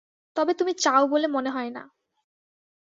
তবে তুমি চাও বলে মনে হয় না।